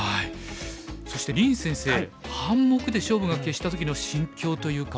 そして林先生半目で勝負が決した時の心境というか。